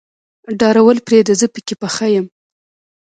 ډارول پرېده زه پکې پخه يم.